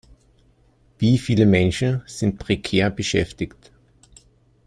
Wie viele Menschen sind prekär beschäftigt?